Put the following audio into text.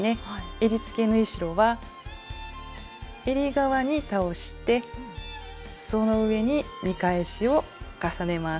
えりつけ縫い代はえり側に倒してその上に見返しを重ねます。